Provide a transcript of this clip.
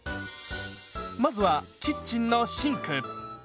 まずはキッチンのシンク。